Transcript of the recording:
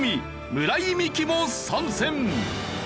村井美樹も参戦！